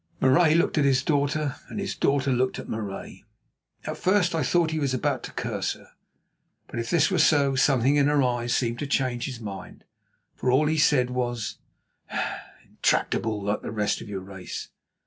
Marais looked at his daughter, and his daughter looked at Marais. At first I thought that he was about to curse her; but if this were so, something in her eyes seemed to change his mind, for all he said was: "Intractable, like the rest of your race!